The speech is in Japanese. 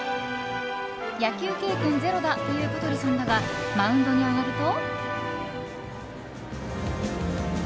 野球経験ゼロだという香取さんだがマウンドに上がると。